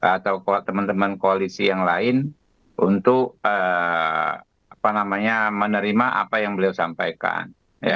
atau teman teman koalisi yang lain untuk menerima apa yang beliau sampaikan